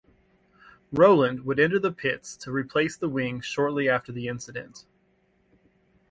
Rowland would enter the pits to replace the wing shortly after the incident.